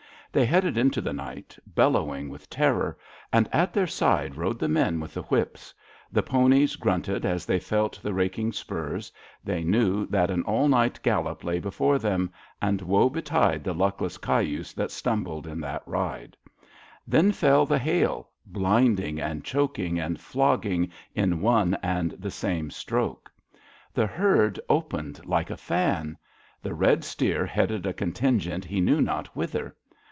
They headed into the night, bellowing with terror; and at their side rode the men with the whips. The ponies grunted as they felt the raking spurs. They knew that an all night gallop lay before them, and woe betide the luckless cayuse that stinnbled in that ride. Then fell the hail— blind ing and choking and flogging in one and the same stroke. The herd opened like a fan. The red steer headed a contingent he knew not whither.